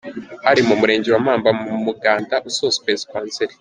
Hari mu murenge wa Mamba mu muganda usoza ukwezi kwa Nzeli.